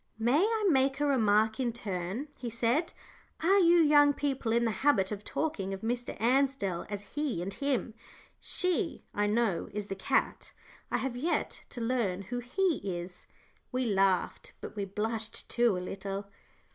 "May I make a remark in turn?" he said. "Are you young people in the habit of talking of Mr. Ansdell as 'he' and 'him?' 'She,' I know, is 'the cat.' I have yet to learn who 'he' is." We laughed, but we blushed too, a little.